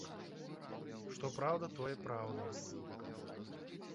Што праўда, тое праўда.